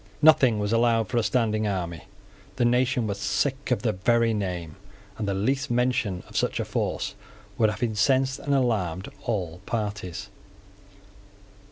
Nothing was allowed for a standing army. The nation was sick of the very name; and the least mention of such a force would have incensed and alarmed all parties.